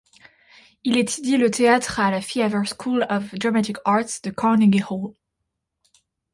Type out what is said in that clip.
Il étudie le théâtre à la Theater School of Dramatic Arts de Carnegie Hall.